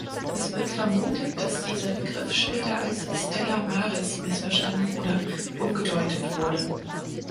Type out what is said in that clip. Es wird vermutet, dass dieser Begriff später als "stella maris" missverstanden oder umgedeutet wurde.